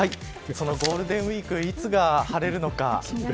ゴールデンウイークいつが晴れるのか。